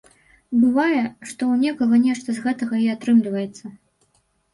Бывае, што ў некага нешта з гэтага і атрымліваецца.